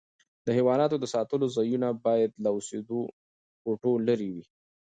د حیواناتو د ساتلو ځایونه باید له اوسېدو کوټو لیري وي.